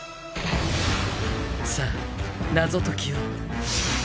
さあ謎解きを。